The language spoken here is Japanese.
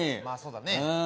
まぁそうだね。